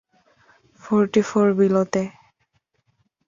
Forty four বিলোতে।